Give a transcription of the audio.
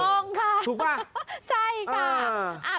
อ่ะถูกต้องค่ะถูกป่ะใช่ค่ะอ่า